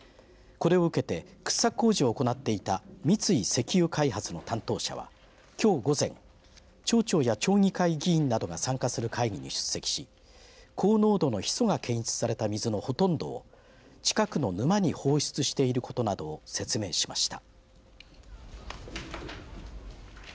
これを受けて掘削工事を行っていた三井石油開発の担当者はきょう午前町長や町議会議員などが参加する町会議に出席し高濃度のヒ素が検出された水のほとんどを近くの沼に放出していることなどを説明しました。